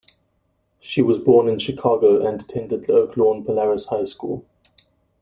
She was born in Chicago and attended Oak Lawn Polaris High School.